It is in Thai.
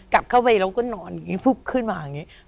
กลับเข้าไปเราก็นอนอย่างนี้ฟุบขึ้นมาอย่างนี้